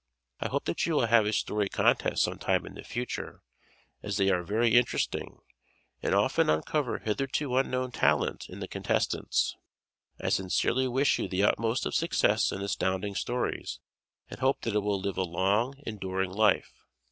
I hope that you will have a story contest some time in the future, as they are very interesting, and often uncover hitherto unknown talent in the contestants. I sincerely wish you the utmost of success in Astounding Stories and hope that it will live a long, enduring life.